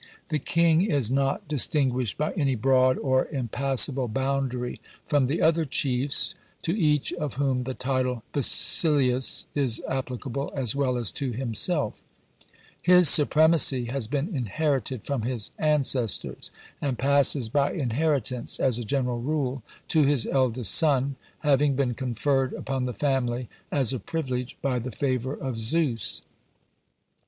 The King is not distinguished by any broad, or impassable boundary from the other chiefs, to each of whom the title Basileus is applicable as well as to himself: his supremacy has been inherited from his ancestors, and passes by inheritance, as a general rule, to his eldest son, having been conferred upon the family as a privilege by the favour of Zeus.